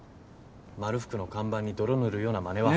まるふくの看板に泥塗るようなまねは。